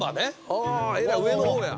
ああえらい上の方や。